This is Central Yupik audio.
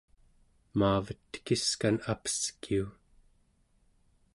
maavet tekiskan apeskiu